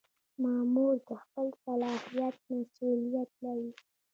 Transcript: مامور د خپل صلاحیت مسؤلیت لري.